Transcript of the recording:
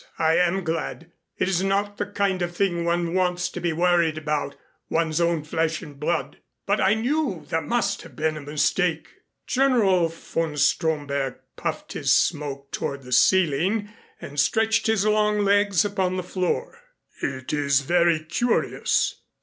I am glad. It is not the kind of thing one wants to be worried about one's own flesh and blood. But I knew there must have been a mistake." General von Stromberg puffed his smoke toward the ceiling and stretched his long legs upon the floor. "It is very curious.